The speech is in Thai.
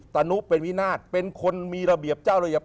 ตนุเป็นวินาศเป็นคนมีระเบียบเจ้าระเบียบ